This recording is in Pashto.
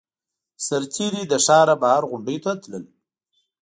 سرتېري له ښاره بهر غونډیو ته تلل